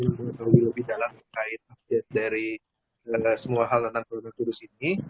mengembangkan lebih dalam berkait dari semua hal tentang perumahan kursus ini